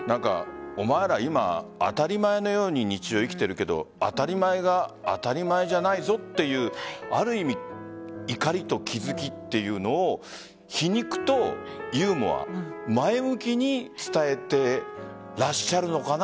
お前ら、今当たり前のように日常生きてるけど当たり前が当たり前じゃないぞっていうある意味怒りと気付きっていうのを皮肉とユーモア前向きに伝えてらっしゃるのかな